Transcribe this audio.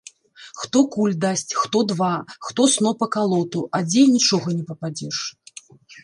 Хто куль дасць, хто два, хто сноп акалоту, а дзе й нічога не пападзеш.